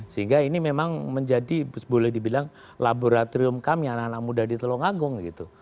sehingga ini memang menjadi boleh dibilang laboratorium kami anak anak muda di telungagung gitu